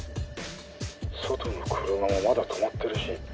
外の車もまだ止まってるし。